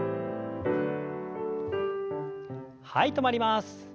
はい止まります。